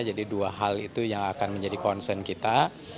jadi dua hal itu yang akan menjadi concern kita